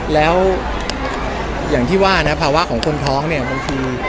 แล้วอย่างที่ว่านะภาวะของคนท้องเนี่ยบางที